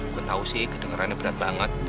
gue tau sih kedengarannya berat banget